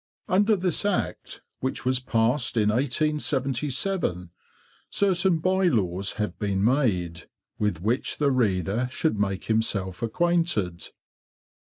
Under this Act, which was passed in 1877, certain Bye laws have been made, with which the reader should make himself acquainted.